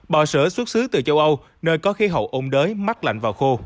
bò sữa xuất xứ từ châu âu nơi có khí hậu ống đới mắc lạnh và khô